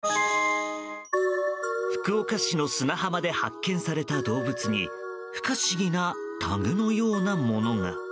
福岡市の砂浜で発見された動物に不可思議なタグのようなものが。